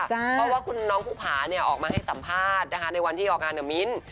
เพราะว่าคุณน้องภูผาออกมาให้สัมภาษณ์นะคะในวันที่ออกงานมิ้น